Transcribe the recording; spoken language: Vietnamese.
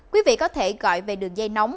quý vị có thể gọi về đường dây nóng